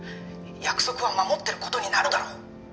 約束は守ってることになるだろう！